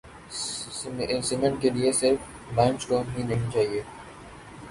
Cement کیلئے صرف limestone ہی نہیں چاہیے۔